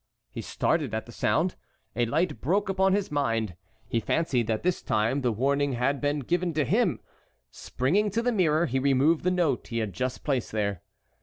He started at the sound; a light broke upon his mind; he fancied that this time the warning had been given to him. Springing to the mirror, he removed the note he had just placed there.